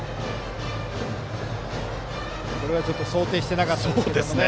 これは想定していなかったですね。